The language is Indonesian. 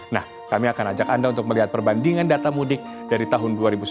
nah kami akan ajak anda untuk melihat perbandingan data mudik dari tahun dua ribu sembilan belas